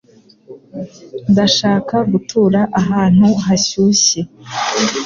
Ndashaka gutura ahantu hashyushye.